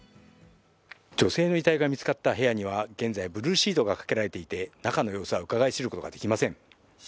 女性の遺体が見つかった部屋には現在ブルーシートがかけられていて中の様子はうかがい知ることはできません。